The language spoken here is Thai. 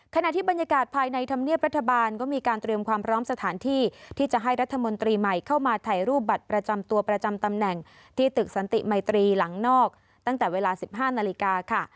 ขณะที่บรรยากาศภายในธรรมเนียบรัฐบาลก็มีการเตรียมความพร้อมสถานที่ที่จะให้รัฐมนตรีใหม่เข้ามาถ่ายรูปบัตรประจำตัวประจำตำแหน่งที่ตึกสันติมัยตรีหลังนอกตั้งแต่เวลา๑๕นาฬิกาค่ะ